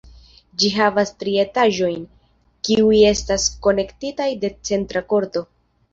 Ĝi havas tri etaĝojn, kiuj estas konektitaj de centra korto.